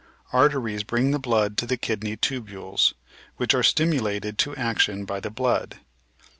Arteries bring the blood to the kidney tubules, which are stimu lated to action by the blood.